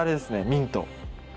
ミント。